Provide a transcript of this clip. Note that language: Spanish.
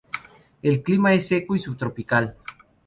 El clima es seco y subtropical.